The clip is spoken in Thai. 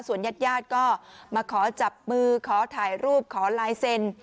ญาติญาติก็มาขอจับมือขอถ่ายรูปขอลายเซ็น